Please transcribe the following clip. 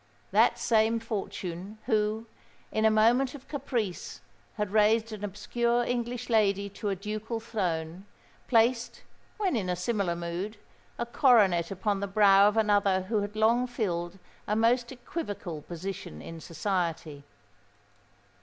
That same Fortune, who, in a moment of caprice, had raised an obscure English lady to a ducal throne, placed, when in a similar mood, a coronet upon the brow of another who had long filled a most equivocal position in society.